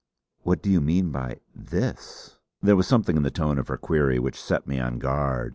"What do you mean by 'this'?" There was something in the tone of her query which set me on guard.